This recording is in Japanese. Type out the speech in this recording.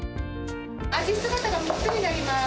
アジ姿が３つになります。